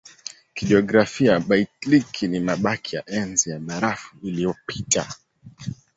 Kijiografia Baltiki ni mabaki ya Enzi ya Barafu iliyopita.